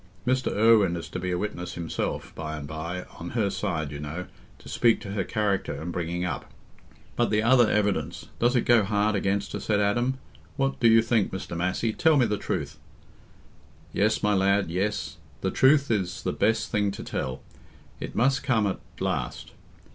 Mr. Irwine is to be a witness himself, by and by, on her side, you know, to speak to her character and bringing up." "But the other evidence... does it go hard against her!" said Adam. "What do you think, Mr. Massey? Tell me the truth." "Yes, my lad, yes. The truth is the best thing to tell. It must come at last.